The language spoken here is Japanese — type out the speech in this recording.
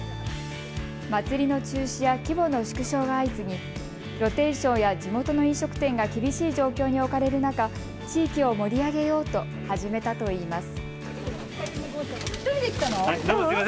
祭りの中止や規模の縮小が相次ぎ露天商や地元の飲食店が厳しい状況に置かれる中、地域を盛り上げようと始めたといいます。